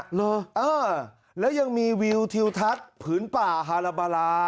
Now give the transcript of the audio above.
เหรอเออแล้วยังมีวิวทิวทัศน์ผืนป่าฮาลาบาลา